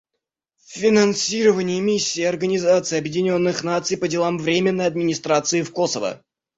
Финансирование Миссии Организации Объединенных Наций по делам временной администрации в Косово.